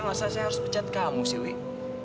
masa saya harus pecat kamu sih we